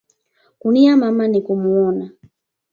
Kulia mama ni kumuona